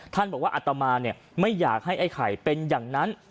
บอกว่าอัตมาไม่อยากให้ไอ้ไข่เป็นอย่างนั้น